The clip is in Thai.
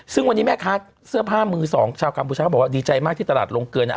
ซึ่งวันนี้แม่ค้าเสื้อผ้ามือสองชาวกัมพูชาเขาบอกว่าดีใจมากที่ตลาดลงเกิน